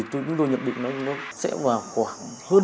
thì chúng tôi nhận định là nó sẽ đến khỏi hà giang